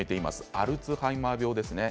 アルツハイマー病ですね。